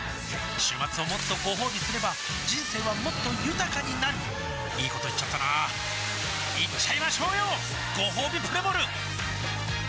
週末をもっとごほうびすれば人生はもっと豊かになるいいこと言っちゃったなーいっちゃいましょうよごほうびプレモル